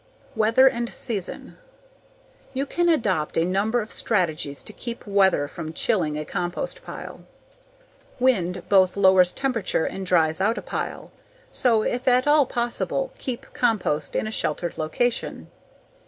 _Weather and season. _You can adopt a number of strategies to keep weather from chilling a compost pile. Wind both lowers temperature and dries out a pile, so if at all possible, make compost in a sheltered location.